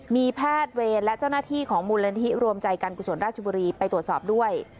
มีแพทย์เวรและเจ้าหน้าที่ของมูลนิธิรวมใจการกุศลราชบุรีไปตรวจสอบด้วย